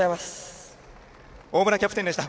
大村キャプテンでした。